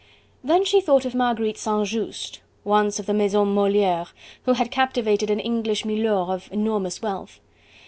Then she thought of Marguerite St. Just, once of the Maison Moliere, who had captivated an English milor of enormous wealth.